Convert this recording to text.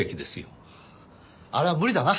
あれは無理だな。